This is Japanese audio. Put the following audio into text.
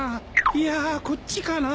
いやこっちかな？